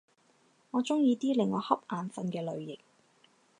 我鍾意啲令我瞌眼瞓嘅類型